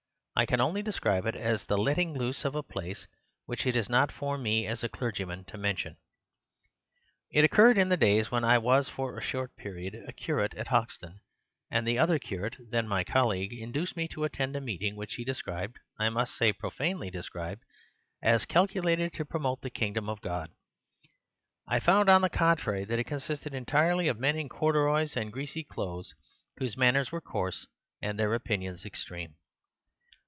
I can only describe it as the letting loose of a place which it is not for me, as a clergyman, to mention. "It occurred in the days when I was, for a short period, a curate at Hoxton; and the other curate, then my colleague, induced me to attend a meeting which he described, I must say profanely described, as calculated to promote the kingdom of God. I found, on the contrary, that it consisted entirely of men in corduroys and greasy clothes whose manners were coarse and their opinions extreme.